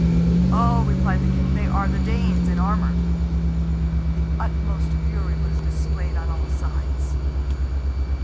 "Oh!" replied the king, "they are the Danes in armour!" The utmost fury was displayed on all sides.